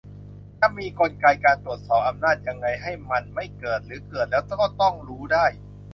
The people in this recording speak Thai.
จะมีกลไกการตรวจสอบอำนาจยังไงให้มันไม่เกิด-หรือเกิดแล้วก็ต้องรู้ได้ ?